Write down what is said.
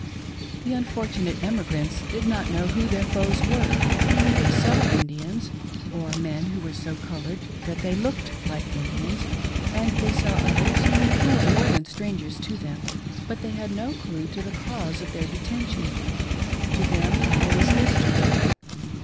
The unfortunate emigrants did not know who their foes were. They saw Indians, or men who were so colored that they looked like Indians, and they saw others who were more than strangers to them, but they had no clue to the cause of their detention. To them all was mystery.